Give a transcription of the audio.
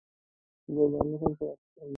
زردالو هر سړی خوښوي.